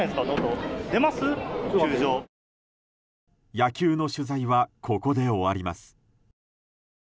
野球の取材はここで終わります。